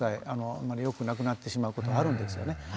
あまり良くなくなってしまうことあるんですよね。